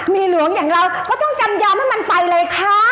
มีหลวงอย่างเราก็ต้องจำยอมให้มันไปเลยค่ะ